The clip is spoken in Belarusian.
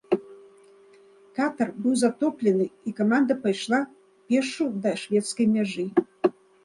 Катар быў затоплены і каманда пайшла пешшу да шведскай мяжы.